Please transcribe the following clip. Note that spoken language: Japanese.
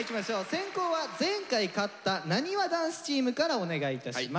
先攻は前回勝ったなにわ男子チームからお願いいたします。